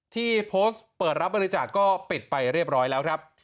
ที่โพสต์เปิดรับบริจาคก็ปิดไปเรียบร้อยแล้วครับ